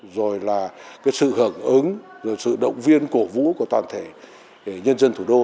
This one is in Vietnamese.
rồi là cái sự hưởng ứng rồi sự động viên cổ vũ của toàn thể nhân dân thủ đô